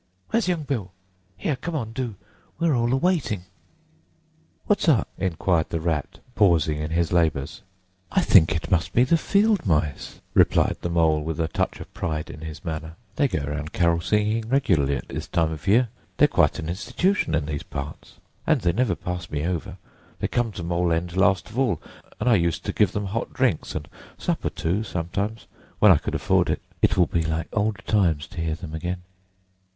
—Where's young Bill?—Here, come on, do, we're all a waiting——" "What's up?" inquired the Rat, pausing in his labours. "I think it must be the field mice," replied the Mole, with a touch of pride in his manner. "They go round carol singing regularly at this time of the year. They're quite an institution in these parts. And they never pass me over—they come to Mole End last of all; and I used to give them hot drinks, and supper too sometimes, when I could afford it. It will be like old times to hear them again."